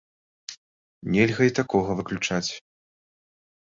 Нельга і такога выключаць.